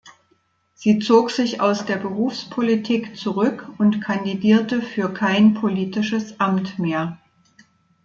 Sie zog sich aus der Berufspolitik zurück und kandidierte für kein politisches Amt mehr.